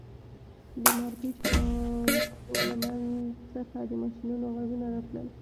د مارپیچ کانونو له منځ څخه د ماشینونو غږونه راتلل